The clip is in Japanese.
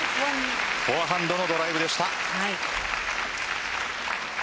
フォアハンドのドライブでした。